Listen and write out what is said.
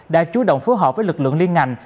đã chủ động phối hợp với lực lượng liên ngành